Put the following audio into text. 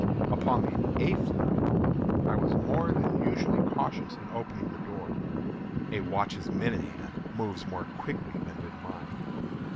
Upon the eighth night I was more than usually cautious in opening the door. A watch's minute hand moves more quickly than did mine.